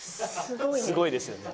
すごいですよね。